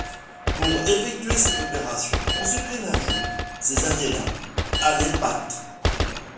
Pour effectuer cette opération, on supprime un jour, ces années-là, à l'épacte.